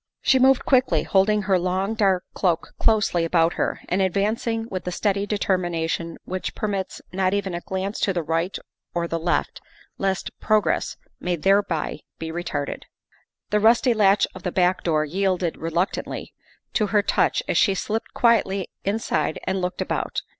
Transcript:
She moved quickly, holding her long, dark cloak closely about her and advancing with the steady determination which permits not even a glance to the right or the left lest progress may thereby be retarded. The rusty latch of the back door yielded reluctantly, to her touch as she slipped quietly inside and looked about.